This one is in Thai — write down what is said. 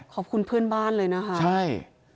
ขอบคุณเพื่อนบ้านเลยนะคะใช่